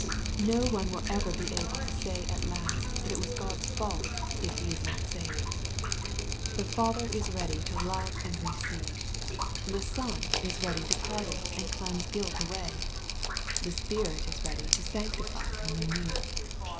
C^'o one will er^i 06 able to fiay at last that it was God's fault, if he is not saved. '^ The Father is ready to love and receive. The Son is ready to pardon and cleanse guilt away. The Spirit is ready to sanctify and renew.